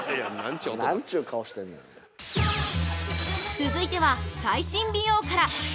◆続いては、最新美容から。